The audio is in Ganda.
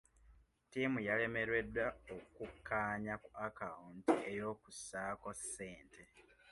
Tiimu yalemereddwa okukkaanya ku akawunti ey'okusaako ssente.